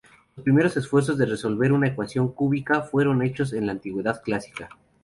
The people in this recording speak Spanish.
Los primeros esfuerzos de resolver una ecuación cúbica fueron hechos en la Antigüedad clásica.